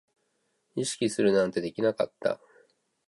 意識するなんてできなかった